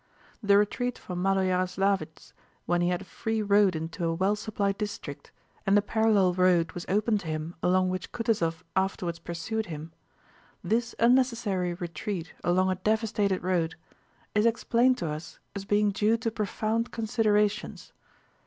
The retreat from Málo Yaroslávets when he had a free road into a well supplied district and the parallel road was open to him along which Kutúzov afterwards pursued him—this unnecessary retreat along a devastated road—is explained to us as being due to profound considerations.